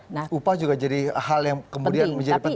nah upah juga jadi hal yang kemudian menjadi penting